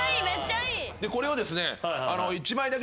これをですね。